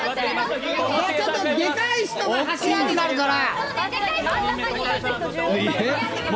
でかい人が柱になるから。